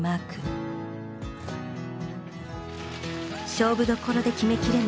勝負どころで決めきれない